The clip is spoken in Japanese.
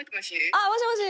あっもしもし。